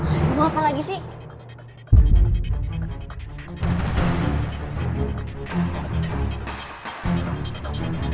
aduh apa lagi sih